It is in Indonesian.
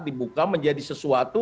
dibuka menjadi sesuatu